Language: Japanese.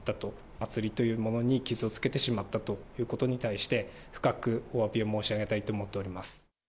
祭というものに傷をつけてしまったということに対して、深くおわびを申し上げたいと思っております。